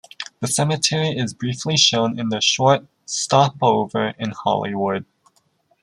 The cemetery is briefly shown in the short "Stopover in Hollywood".